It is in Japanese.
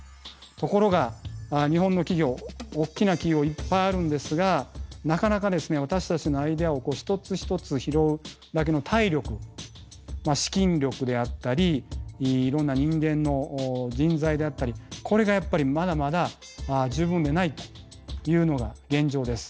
ところが日本の企業大きな企業いっぱいあるんですがなかなかですね私たちのアイデアを一つ一つ拾うだけの体力資金力であったりいろんな人間の人材であったりこれがやっぱりまだまだ十分でないというのが現状です。